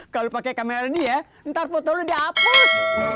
kalau pakai kamera dia ntar foto lo dihapus